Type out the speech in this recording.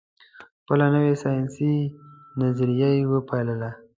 خپله نوي سیاسي نظریه یې وپالله.